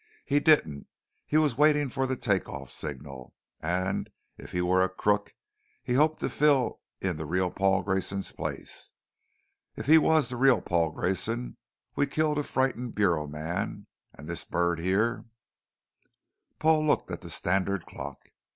He didn't. He was waiting for the take off signal; and if he were a crook, he hoped to fill in the real Paul Grayson's place. If he was the real Grayson, we've killed a frightened Bureau man, and this bird here " Paul looked at the standard clock.